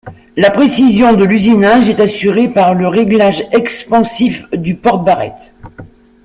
La précision de l’usinage est assurée par le réglage expansif du porte-barrettes.